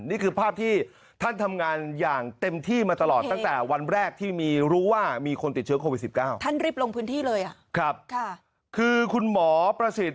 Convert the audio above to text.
นี่คือภาพที่ท่านทำงานอย่างเต็มที่มาตลอดตั้งแต่วันแรกที่รู้ว่ามีคนติดเชื้อโควิด๑๙